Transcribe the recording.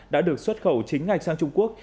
đã được xuất khẩu chính ngạch sang trung quốc